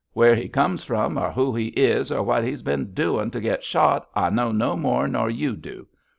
Where he comes from, or who he is, or what he's bin doin' to get shot I know no more nor you do.